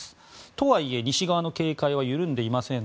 とはいえ西側の警戒は緩んでいません。